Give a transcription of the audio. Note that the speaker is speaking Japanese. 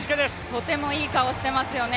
とてもいい顔してますよね。